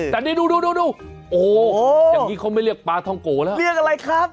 แต่นี่ดูดูโอ้โหอย่างนี้เขาไม่เรียกปลาท้องโกแล้วเรียกอะไรครับ